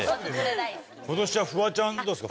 今年はフワちゃんどうですか？